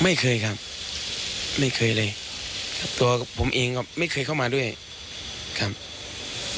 ไม่เคยครับไม่เคยเลยครับตัวผมเองก็ไม่เคยเข้ามาด้วยครับ